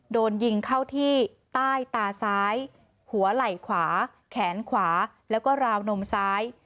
โดนยิงเข้าที่ใต้ตาซ้ายหัวไหล่ขวาแขนขวาแล้วก็ราวนมซ้าย